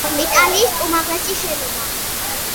იტალიის უმაღლესი შენობა.